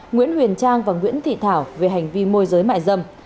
nguyễn huyền trang và nguyễn thị thảo về hành vi môi giới mại dâm